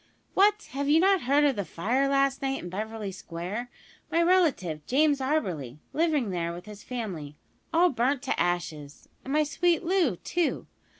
"What! have you not heard of the fire last night in Beverly Square my relative, James Auberly living there with his family all burnt to ashes and my sweet Loo, too?